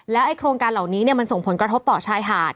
โครงการเหล่านี้มันส่งผลกระทบต่อชายหาด